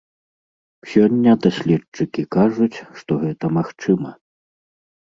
Сёння даследчыкі кажуць, што гэта магчыма.